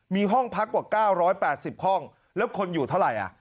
มีห้องพักกว่า๙๘๐ห้องแล้วคนอยู่เท่าไหร่